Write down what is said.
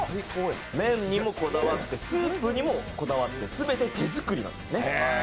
麺にもこだわって、スープにもこだわって、すべて手作りなんですね。